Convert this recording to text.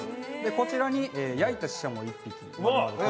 こちらに焼いたししゃもを１匹。